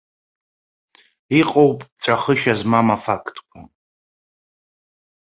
Иҟоуп ҵәахышьа змам афактқәа.